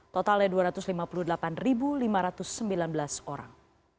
totalnya dua ratus lima puluh delapan lima ratus sembilan belas orang